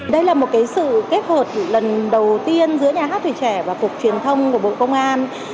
đây là một sự kết hợp lần đầu tiên giữa nhà hát tuổi trẻ và cục truyền thông của bộ công an